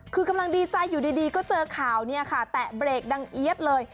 คือกำลังดีใจอยู่ดีก็เจอข่าวเนี่ยค่ะแตะเบรกดังเอี๊ยดเลย